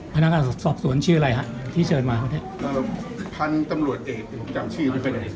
พนักอาสบสวนชื่ออะไรครับที่เชิญมาข้างที่